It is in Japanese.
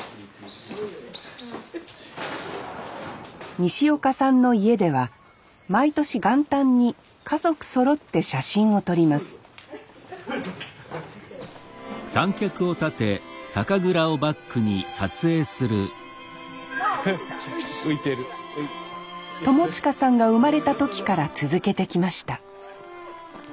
西岡さんの家では毎年元旦に家族そろって写真を撮ります朋慈さんが生まれた時から続けてきました